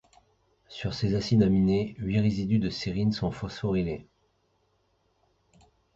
Sur ces acides aminés, huit résidus de sérine sont phosphorylés.